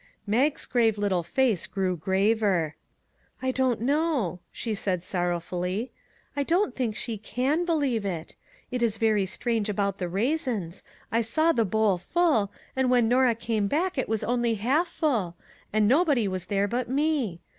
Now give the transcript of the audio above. Mag's grave little face grew graver. " I don't know," she said sorrowfully. " I don't think she can believe it. It is very strange about the raisins. I saw the bowl full, and when Norah came back it was only half full; and nobody was there but me.